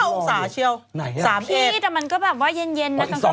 ๕องศาเชี่ยว๓เอสพี่แต่มันก็แบบว่าเย็นนะ